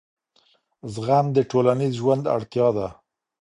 زغم د ټولنیز ژوند اړتیا ده.